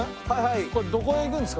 これどこへ行くんですか？